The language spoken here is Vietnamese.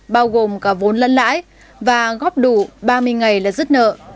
bao gồm cả vốn lân lãi và góp đủ ba mươi ngày là giất nợ